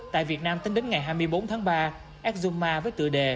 tại việt nam tính đến ngày hai mươi bốn tháng ba exuma với tựa đề